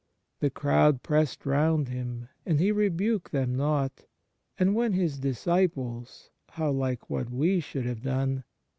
The crowd pressed round Him, and He re buked them not; and when His disciples (how like what we should have done